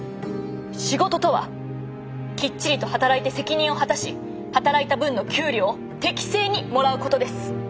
仕事とはきっちりと働いて責任を果たし働いた分の給料を適正にもらうことです。